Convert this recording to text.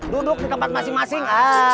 duduk di tempat masing masing